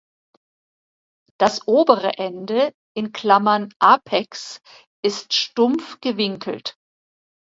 Das obere Ende (Apex) ist stumpf gewinkelt.